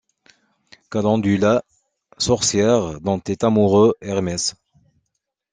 Calendula, sorcière dont est amoureux Hermès.